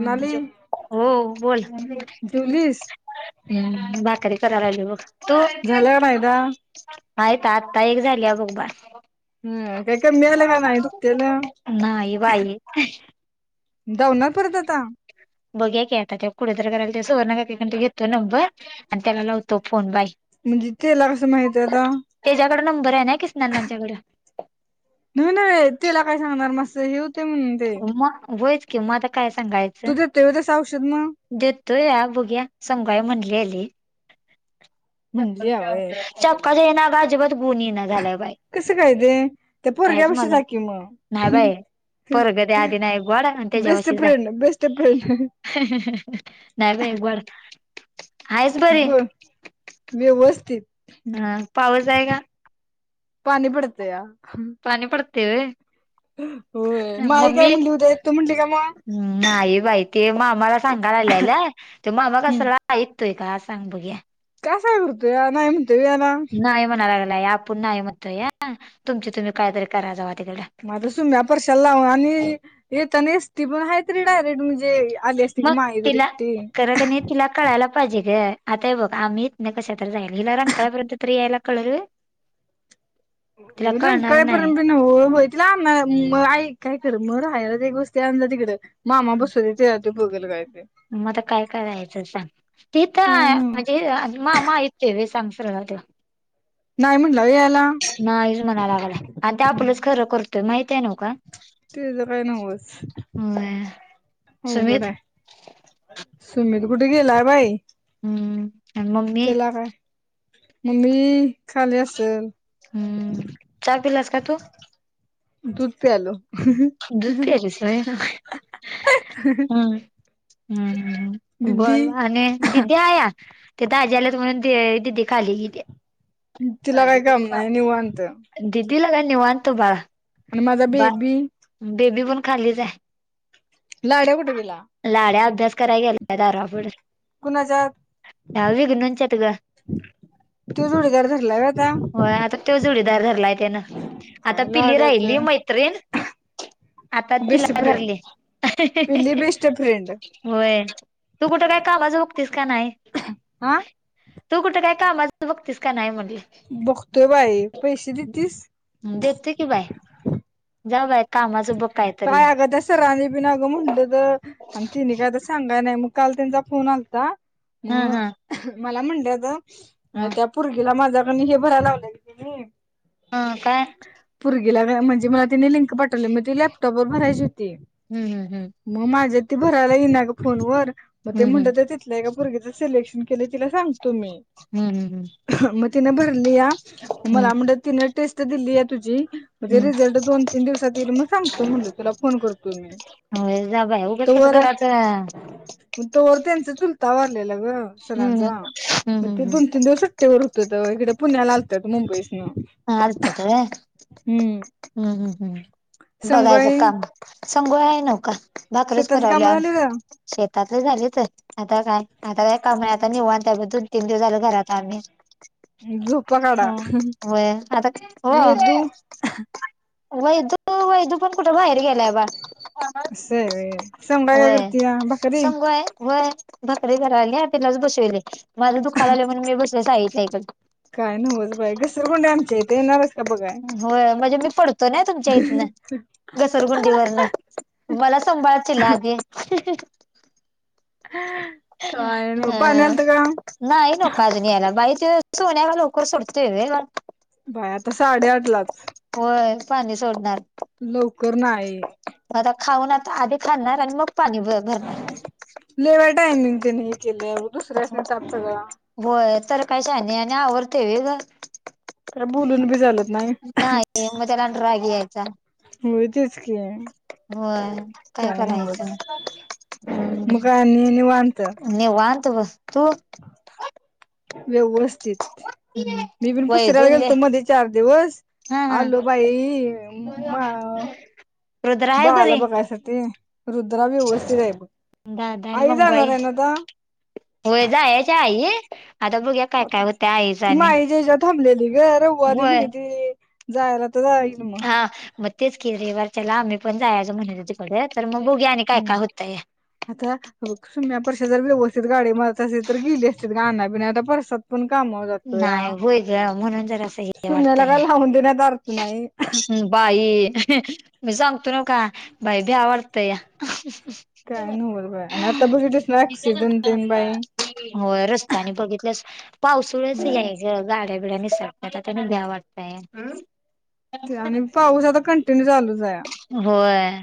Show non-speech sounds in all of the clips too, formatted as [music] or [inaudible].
हम, म्हणाली हो बोल हम्म, जेवलीस भाकरी कराय लागले बघ, तू? झालं का नाहीदा माइ त आत्ता एक झाली बग बा हम् काय कमी आल का नाय दुखतेलं? नाही बाई दावणार परत आता. बघू या की आता तेव कुठेतर करायला ते सुवर्णा काकीकडनं घेतो नंबर, आणि त्याला लावतो फोन बाई. म्हणजे त्येला कसं? माहिती आता. त्यांच्याकडं नंबर आहे ना किसना अण्णांच्याकडं. न्हाई नाय तेला काय सांगणार? म अस्सं हे हूतय म्हणून. ते मग वयच कि मग आता काय सांगायचं? तेवदस औषध म देतोया बुघूया संगाइ म्हणल्याली. म्हणली या व्हय चाबक्काच्या येनं आगं आजिबत गुण येना झालाय बाई. कस काय ते? त्या कायच पोरग्यापशी मला जाकी मग. नाही बाई पोरग त्या आधी नाही गोड आणि बेस्ट फ्रेंड, बेस्ट फ्रेंड. नाय बाइ. [unintelligible] ब व्यवस्थित. हां पाऊसय का? पाणी पडतया. पाणी पडतय वय. होय माई काय म्हणली उद्या येत्तो म्हणली का मग? हम् नाही बाई ते मामाला सांगाय आल्याला ते मामा हम्म कसलाय तोका सांग बगुया? आसा का करतुया? नाय म्हणतुया येयला. नाय म्हणाय लागलाय आपुन नाय म्हणतोया, तुमचं तुम्ही कायतरी करा जावा तिकडं. म आता सुम्या-परशाला लावा आणि येताना एस टी पण हाय तरी डायरेक्ट म्हणजे आली असती की मग मायगरी तिला एकटी. [unintelligible] तिला कळायला पाहिजे गं. आता हे बघ आम्ही इतनं कशातर जाईल हिला रंकाळ्यापर्यंत तरी यायला कळल वय. [inaudible] हं रंकाळ्यापर्यंत बी ना हो होय तिला आन म आई काय कर मग राहायला एक गोस्ती आणज तिकडं मग मामा बसुदे येतं त्यो बगल काय ते. म आता काय करायचं सांग तिथं काय आ नव्ह म्हणजे अआ मामा हायत की. [unintelligible] नाइ म्हणलाव येयला. नाईच म्हणाय लागला. आणि ते आपलंच खरं करतोय माहित आहे नव का? तेजं काय नवस होय सुमित अवघडय. सुमित कुठे गेलाय बाई. हम्म. आणि मम्मी तेला काय? मम्मी खाली असल. हम्म. चा पिलास का तू? दुध प्यायलो. दुध प्यायलीस वय. हम्म हम् दिदी बोल आणि दीदीयया. ते दाजी आल्यायत म्हणून दे दिदी खाली गेलीया. तिला काय काम नाय निवांत. दिदीला काय निवांत बा आणि माझा बेबी बेबी पण खालीच हाय. लाड्या कुटं गेला? लाड्या अभ्यास कराय गेला दारापुढ,, कुणाच्या हं विघनु च्यात गं. त्यो जूडिदार होय आता तो जोडीदार धरलाय त्यानं,, आता काय पिली लाड्याच राहिली मैत्रीण आता बेस्ट तिला फ्रेंड धरली पिल्ली बेस्ट फ्रेंड होय,, तू कुठं काय कामाचं बगतीस का नाही. हा तू कुठं काय कामाचं बघतीस का नाही म्हण बघतोय बाई, पैशे दितीस. हं देतो की बाय,, जा बाय कामाचं बग कायतरी. सराांनी पिन बी अगं म्हटलंत, आणि तिने काय आता सांगाय नाही, मग काल त्यांचा फोन आलता ह ह मग मला म्हणलं हुतं,, अ ह त्या पूर्गीला माझ्याकंन हे भराय लावलय की तुम्ही हा काय पुर्गीला म्हणजे मला तिने लिंक पाठवली, म ती लॅपटॉप वर भरायची हुती. हम्म हम्म मग माझ्यात ती भरायला ई ना गं फोन वर, मग ते हम्म म्हणलं तिथल्या एका पुर्गीचं सिलेक्शन केलय तिला सांगतो मी. हम्म हम्म हम्म हम्म मग तिनं भरलिया, हम्म मला म्हणलं तिनं टेस्ट दिल्या आ तुझी म्हणजे हम्म रिझल्ट दोन तीन दिवसात ईल मग सांगतो म्हणलं तुला फोन करतो मी. ए जा बाय, उगंच कसं घराचं मग तोवर त्यांचा चुलता वारलेला ग सरांचा,, हम्म मग हम्म ते दोन तीन दिवस तवर हुतंत इकडं पुण्याला आलतं मुंबईसनं. हा आलतत व्हय,, हम्म हम्म, बघायचं संगय काम संगुआय हाय नवका,, भाकरीच शेतातली कामं कराल्या, झाली का शेतातले झाले तर आता काय, आता काय काम हाय आता निवांत हाय आता दोन तीन दिवस झालं घरात आम्ही. झोपा काडा. वय आता,, हो वैदू व च कुठं भाएर गेलाय बाळ. सय वय,, संगुआय काय करत्या,, भाकरी. संगू व्हय भाकरी कराल्या तीलाच बसवलय, माझं दुःखा लागलय म्हणून मी बसलूय साईताईच्यात. काय नव्हचं बाई, घसरगुंडी हाय आमच्या इथं येणार हायस काय बघाय. व्हय, म्हजे मी पडतो नाई तुमच्या इथनं. घसरगुंडीवरनं,, मला सांभाळचीला आदी. काय नाही पाणी हं. आलत का नाही नवका अजून याला,, बाई ते सोन्या काय लवकर सुडतुय वय बाय आता साडेआठ लाच. व्हय पाणी सोडणार. लवकर नाही. आता खाऊन आता, आधी खाणार आणि मग पाणी ब लय बाय टायमिंग तिनं हे केलं, दुसऱ्यासनी ताप सगळा. होय तर काय शाने आणि आवरतय वय गं. तिला बुलून बी झालं नाही कि मी त्याला आणि राग यायचा. होय तेच की, होय काय करायचं नव्हच. हम्म मग काय निवांत. निवांत बग. तू? व्यवस्थित. मी पण पुसरायला वैदुल्य गेलतो मध्ये चार दिवस हा हा आलो बाई मा रुद्र आहे बाळाला बरी बघायसाठी. रुद्रा व्यवस्थित आहे बघ. दादा आणि आई जाणार मंगवाई आहे ना आता. होय जायच्या आई. आता बघुया काय आता काय होत्या. आईच ती आणि माईच्या हेच्यात थांबलेली ग. रविवारी होय म्हणती जायला तर जायाय येईल म्हणून. हा मग तेच कि, रवीवारच्याला आम्ही पण जायचं म्हणत तिकड. तर मग बघुया आणि काय हम्म काय होतंय. आता सुम्या परर्शा जर व्यवस्थित गाडी मारत असतील तर गेली असतीत गं आणायला बिनायला आता परसात पण काम नाही होय ग. म्हणून जरासं हे सुम्याला वाटतय. काय लावून देण्यात अर्थ नाही. ह. बाई. मी सांगतो नव्ह का बाई भ्या वाटतंया. काय नव्हच बाई आणि आता बघीतलसना एक्सिडट तेन बाई. हो रस्तायाने बघितलसपावसाळ्याच हे हाय. गाड्या बिड्या निसटतात. आता पण भ्या वाटतय. ते आणि पाऊस आता कंटिन्यू चालूच हाया. होय.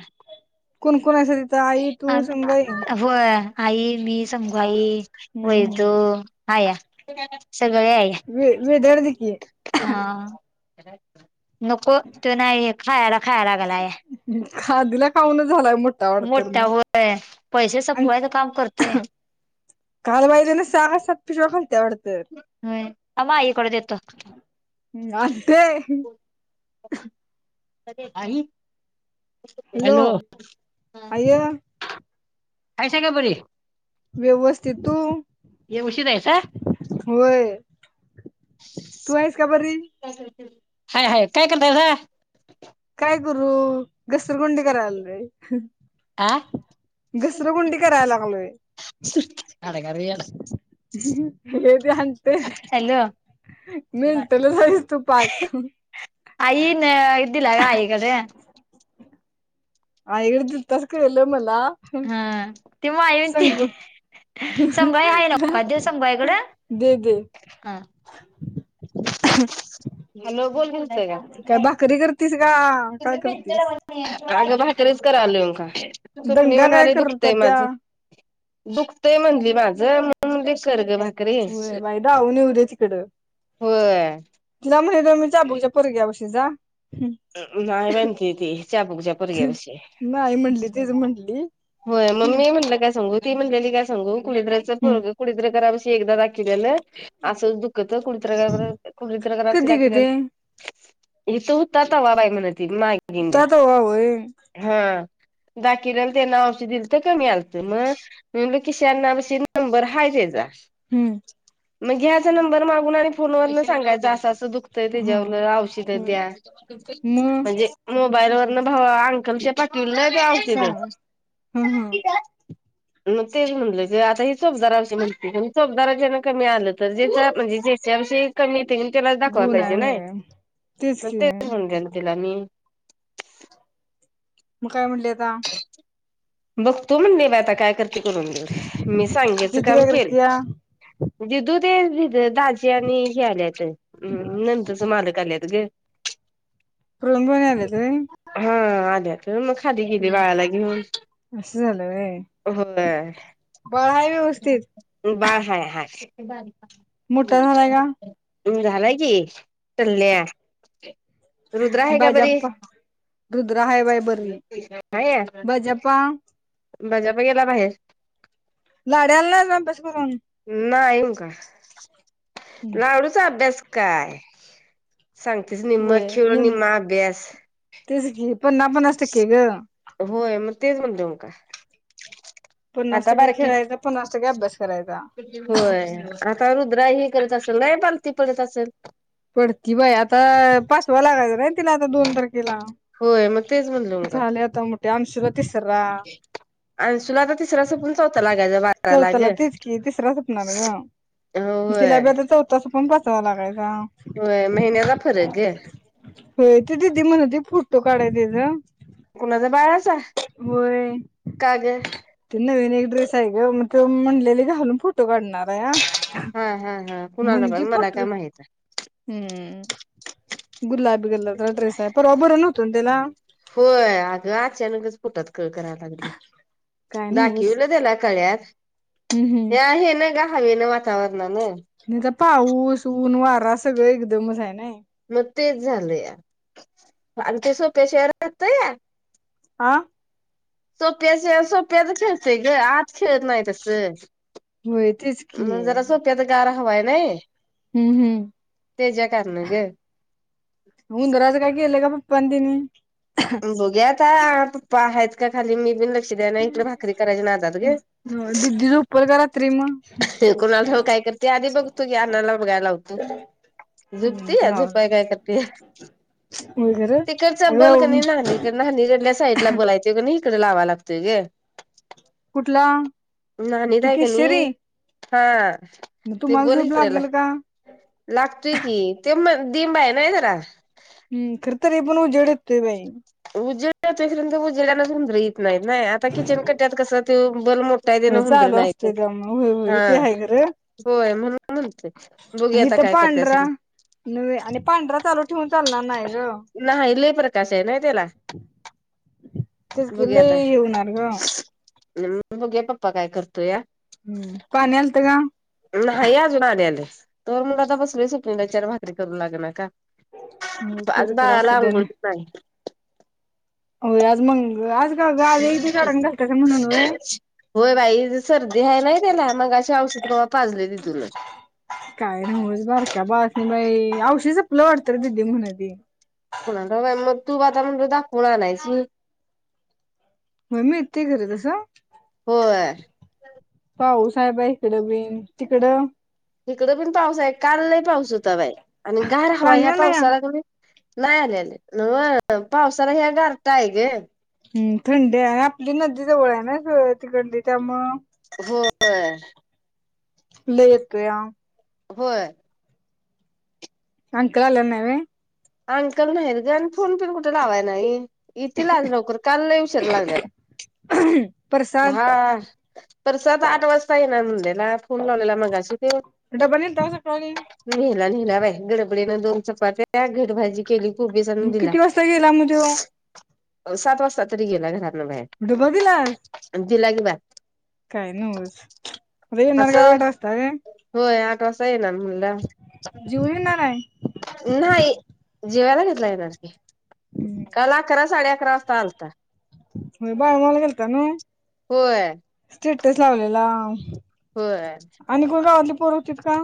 कोण कोण आहेसा तिथं? आई, तू, आम्ही संगु आई. होय. आई, मी, संगुआई, वैजु. हम्म हा या सगळे आहे. होय. वेदया कड दे की. हा नको. तो नाही येत खायला खायाय लागलाय. खादीला खाऊन झालाय मो मोठा होय. पैसे आणि संपवायच काम करतोय. काल बाई तेन सहाला सप्त शिवा घालत्या वाटत. होय. थांबा आई कडे देतो. आते. आई हॅलो. आय हायसा का बरी. व्यवस्थित. तू? ये उशीर आहेसा होय. तु आहेस का बरी? हाय हाय. काय करतायसा? काय करू घसरगुंडी करायलोय बाई. आ घसरगुंडी करायला लागलोय. हे सांगतेय. हॅलो मेंटलच आहेस तु पाक. आईन दिला का आईकड. आईकडे दिलतास कळलं मला. हा तेव्हा आई आण ती सांगू संगु आई हाय तिला नव्ह का देवू संगु आईकडं? दे दे हा. [unintelligible] हॅलो. बोल बोलतोया. काय भाकरी करतीस का तुम्ही काय भेटता करतीस? काय? आगं भाकरीच करायलोय का. सुपनी दंगा काय म्हणाली करत्या दुखतंय त्या माझं दुखतंय म्हणली माझं म्हणून दे सर्ग ला. होय बाय दाऊन येऊ दे तिकडं. होय. त्या [unintelligible] अबूच्या परग्यावषी जा नाय म्हणते ते चाबुकच्या पोरग्या पशी. नाही म्हटली तेच म्हटली होय मम्मी म्हटलं काय संगूत् ती म्हणलेली काय सांगू कुळीद्राचं पोरगं कुळीद्र करापशी एकदा दाखीलेलं. असं दुःखत [unintelligible] कडीत्रकारशी कधी ग दाखीलेलं, ते हितं होत् ता तवा बाय म्हणं ती माई उता तवा वय. हा दाकीलेलं त्यांनं औष दिल्तं कमी आल्तं म. म्हण लोकेशन [unintelligible] नंबर हाय त्याचा हम्म. म घ्याचा नंबर मागून आणि फोनवर न सांगायचं असं असं दुखतंय हम्म त्याच्यावरन औषधं द्या. मग म्हणजे मोबाईल वरन भावा अंकलच्या पा पुरलं ते औषिधं. सांग ह ह मग तेच म्हटलं क आता ही चोपदाराशी म्हणती चोपदारा जेना कमी आलं तर जेचा म्हणजे जे त्याविषयी कमी येत इंटरेस्ट दाखवाय गुण आहे पाहिजे नाय. होय मंग तेच म्हणते न तिला मी म काय म्हणली आता [inaudible] बघतो म्हणली बाय आता काय करते करून देऊ मी सांगेचं दिदी काम काय केले. करत्या दिदू ते दिद दाजी आणि हे आलेत हम्म नंदंच मालक आल्यात ग [unintelligible] बाई आल्यात होय ह आल्यात म खाली गेली बाळाला घीऊन. अस्स झालं होय [unintelligible] [unintelligible] बाळ हाय हाय मोठा झालाय का कमी झालाय की टल्या रुद्र आहे का परी? बाजाप्पा रुद्रा नाईये. जपा बजापा गेला भायेर लाड्याल ना अभ्यास करून ना यीऊ का लाडूचा अभ्यास काय सांगतेस निम्म होय खेळ निम निम्मा अभ्यास. तेच की पन्ना पन्नास टक्के ग होय म तेच म्हणलेम का पन्नास आता टक्के बारकी खेळायचा पन्नास टक्के अभ्यास करायचा. होय आता रुद्रा हे करत असेल लय पालथी पडत असंल. पडती बया आता पाचवा लागायचा राईन तिला आता दोन तारखेला. होय म तेच म्हणलं म का झाले आता मोठे अंशूला तिसरा अंन्सुल आता तिसरा संपुन चौथा लागायचा बाराला चौथाला ग. तेच की तिसरा सपणार होय. त्याचं पण पाचवा लागायचा. होय महिन्याचा फरक् गं. होय ते दिदी म्हणत होती फोटो काढाय तेज. कुणाचा बाळाचा, होय, का ग ते नवीन एक ड्रेस आहे ग मग ते म्हणलेले घालून फोटो काढणार हाया. हा हा हा कुणाकडं मला काय माहित नाही. हम्म गुलाबी कलरचा ड्रेस आहे परवा बर नव्हत त्याला. होय अग अचानकच पोटात कळ करायला, काय नव्हच दाखीवल त्याला कळ्यात हम्म हम्म हे आहे ना का, हवेन वातावरणान, हेंचा पाऊस ऊन वारा सगळं एकदमच आहे नाय, मग तेच झालं या आणि ते सोप्या शार, करते या, आं, सोप्याचे सोप्या त खेळते ग आज खेळत नाही तस, होय तेच की म जरा सोप्यात गार हवाय नाही. हम्म हम्म तेच्या कारण ग, उंदराच काय केलं पप्पांनी त्यांनी! बघुया पप्पा आहेत का खाली मी बि लक्ष? शिऱ्याला इकडं भाकरी करायचे नादात ग, बोल ग रात्री म, ते कुणाठाव काय करते आधी बघतो की आण्णाला बघायला लावतो. झोपतीय या लावला झोपायं काय करतेय. वगैरे तिकडचा बल क अगं नाही न्हाणी कड, नान्हीच्या त्या साईडला बल हाय त्यो कनी इकडे लावा य लागतोय ग. कुठला न्हाणीत तू आहे कणी, केशरी हा मग त्यो तुम्हाला बल झोप इकडे लागेल लागतोय, का लागतोय की त्यो म डिंब आहे नाय जरा, हम्म खर तरीपण उजेड येतोय बाई, उजड येतोय खर उजड्याना इत नाहीत नाही आता किचन कट्यात कसं. त्यो बल मोठा तेन होय हुंदर चालू नाहीत असतोय त्यामुळे होय होय हा ते आहे खरं होय म्हणून, म्हणते बघुया आणि आता इथं काय करतायसा पांढरा ते! नव्हे आणि पांढरा चालू ठेवून चालणार नाही ग. नाही लय प्रकाश आहे नाय तेला, तेच की हे होणार ग, हम्म बघूया पप्पा काय करतोया, हम्म पाणी आलत का, नाही अजून आलेल तवर म्हणलोय म आता बसलोय सुपनील दानच्यात भाकरी करून आलोय नाही का. म कर कर अस दे आणि, नाही, होय आज मंग आज का एक दीस अडाण घालतास म्हणून व्हय, होय बाई सर्दी आहे नाही त्याला मगाशी औषध कवा पाजलय तिथूनच, काय नाही नव्हच बारक्या बाळतीन बाई औषध सपलं वाटत रे दिदी म्हणती. कुणाल ठाव बाई म तु आता म्हणली दाखवून आणायचं! व्हय मिळतंय खर तसं, होय पाऊस आहे बाई इकडं बि तिकडं! इकडं बीन पाऊस आहे. काल लई पाऊस होता बाय, आणि गार हवा पाणी ह्या आलया पावसाळा गोणी नाही आलेल. व्ह पावसाळा ह्या घारटा आहे गं. हम्, थंडी आहे. आपली नदी जवळ आहे ना स तिकंडली त्यामुळं हो. व्हय. लय येतोया. होय. अंकल आले नाही व्हय. अंकल नाहीत ग. फोन पिन कुठे लावाय नाही. येतील आज लवकर. काल लई उशीर लागलेला. परसाद धा परसात आठ वाजता ये ना नंदेला फोन लावलेला मगाशी ते डबा नेता सकाळी नेला नेला बाई. गडबडीन दोन चपात्या घटभाजी केली कोबीस अन् दिला. किती वाजता गेला मग त्यो सात वाजता तरी गेला घरातन बाहेर. डबा दिला. तिला की बाय. काय न्यूज, रेणार असं गावात असता काय? होय. आठ वाजता येणार म्हणला. जीऊन येणार आहे. नाही. जेवायला घेतला [unintelligible] हम्म काल अकरा साडे अकरा वाजता आलता. बायगाव गेलता न, होय. स्टेटस लावलेला होय. आणि कोण गावातली पोर होतीत का?